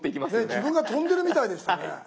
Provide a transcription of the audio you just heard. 自分が飛んでるみたいでしたね。